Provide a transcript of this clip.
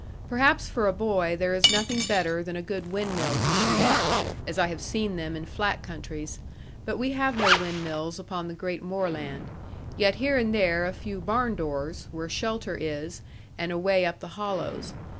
Perhaps for a boy there is nothing better than a good windmill to shoot at, as I have seen them in flat countries; but we have no windmills upon the great moorland, yet here and there a few barn doors, where shelter is, and a way up the hollows.